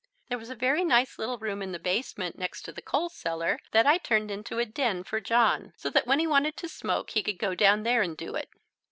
There was a very nice little room in the basement next to the coal cellar that I turned into a "den" for John, so that when he wanted to smoke he could go down there and do it.